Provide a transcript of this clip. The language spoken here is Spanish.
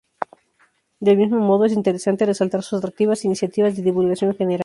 Del mismo modo, es interesante resaltar sus atractivas iniciativas de divulgación general.